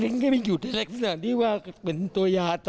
เราก็ไม่ได้โทษหล้านหรอกแต่คือด้วยความสัมภาพของเราเอง